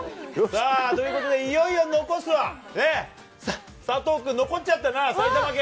さあ、ということでいよいよ残すは、佐藤君、残っちゃったな、埼玉県。